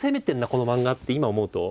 この漫画って今思うと。